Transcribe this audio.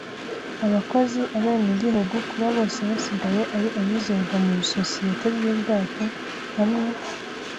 abakozi, abenegihugu - kuba byose bisigaye ari abizerwa mubisosiyete y'ubwato -hamwe